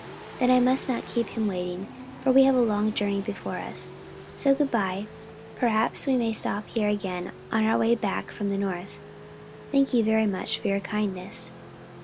"Then I must not keep him waiting, for we have a long journey before us. So good bye. Perhaps we may stop here again on our way back from the north. Thank you very much for your kindness."